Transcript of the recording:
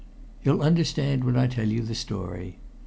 "You'll understand when I tell you the story."